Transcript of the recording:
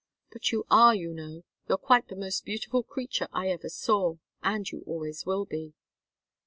But you are, you know you're quite the most beautiful creature I ever saw, and you always will be."